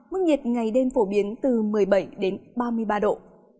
mức nhiệt ngày đêm phổ biến từ một mươi bảy đến ba mươi ba độ